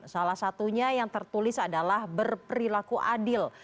salah satunya yang tertulis adalah berperilaku adil